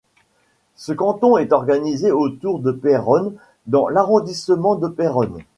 Ce canton est organisé autour de Péronne dans l'arrondissement de Péronne.